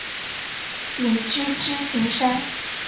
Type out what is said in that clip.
隐居支硎山。